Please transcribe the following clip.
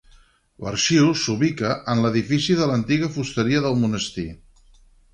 L'arxiu s'ubica en l'edifici de l'antiga fusteria del monestir.